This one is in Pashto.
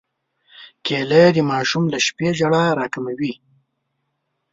کېله د ماشوم له شپې ژړا راکموي.